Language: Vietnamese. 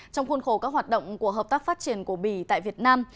trong khuôn khổ các hoạt động của hợp tác phát triển của bỉ tại việt nam